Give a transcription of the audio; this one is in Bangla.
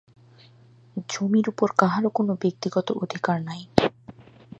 জমির উপর কাহারও কোন ব্যক্তিগত অধিকার নাই।